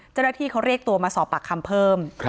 เจ้าหน้าที่เขาเรียกตัวมาสอบปากคำเพิ่ม